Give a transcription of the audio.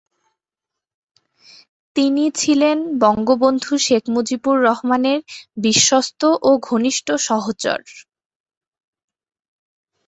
তিনি ছিলেন বঙ্গবন্ধু শেখ মুজিবুর রহমানের বিশ্বস্ত ও ঘনিষ্ঠ সহচর।